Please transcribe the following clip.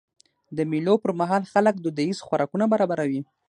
د مېلو پر مهال خلک دودیز خوراکونه برابروي.